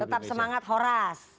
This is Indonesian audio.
tetap semangat horas